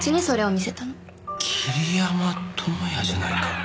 桐山友哉じゃないか。